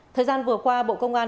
thời gian vừa qua bộ công an